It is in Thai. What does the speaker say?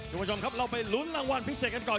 คุณผู้ชมครับเราไปลุ้นรางวัลพิเศษกันก่อน